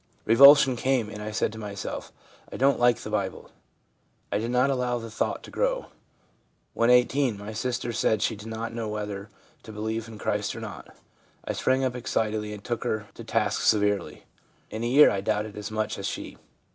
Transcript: Revulsion came, and I said to myself, " I don't like the Bible." I did not allow the thought to grow. When 18 my sister said she did not know whether to believe in Christ or not. I sprang up excitedly and took her to task severely. In a year I doubted as much as she.'